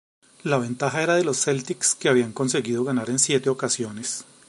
La ventaja era de los Celtics que habían conseguido ganar en siete ocasiones.